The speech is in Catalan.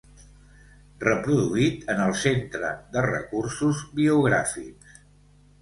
Reproduït en el Centre de recursos biogràfics.